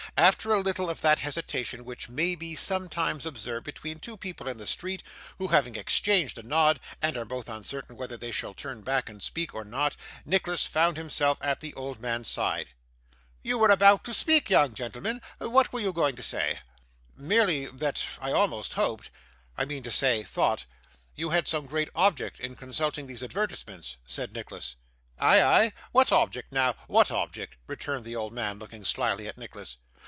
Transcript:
After a little of that hesitation which may be sometimes observed between two people in the street who have exchanged a nod, and are both uncertain whether they shall turn back and speak, or not, Nicholas found himself at the old man's side. 'You were about to speak, young gentleman; what were you going to say?' 'Merely that I almost hoped I mean to say, thought you had some object in consulting those advertisements,' said Nicholas. 'Ay, ay? what object now what object?' returned the old man, looking slyly at Nicholas.